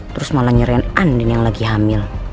terus malah nyerahin andin yang lagi hamil